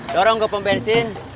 dorong ke pembensin